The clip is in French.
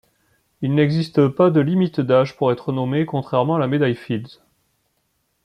Il n'existe pas de limite d'âge pour être nommé, contrairement à la médaille Fields.